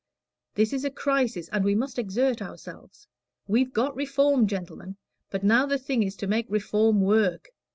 This is a crisis, and we must exert ourselves. We've got Reform, gentlemen, but now the thing is to make Reform work.